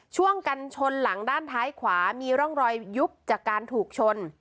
ช่วงกันชนหลังด้านท้ายขวามีร่องรอยยุบจากการถูกชน